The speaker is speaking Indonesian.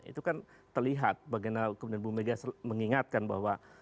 itu kan terlihat bagaimana kemudian bu mega mengingatkan bahwa